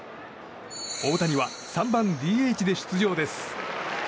大谷は３番ＤＨで出場です。